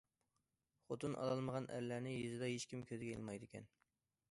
خوتۇن ئالالمىغان ئەرلەرنى يېزىدا ھېچكىم كۆزگە ئىلمايدىكەن.